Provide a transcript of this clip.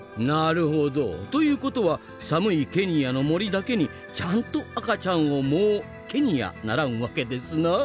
なるほど。ということは寒いケニアの森だけにちゃんと赤ちゃんをもうケニァならんわけですな。